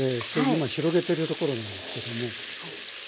今広げてるところなんですけども。